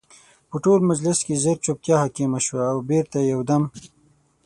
په ټول مجلس کې ژر جوپتیا حاکمه شوه او بېرته یو دم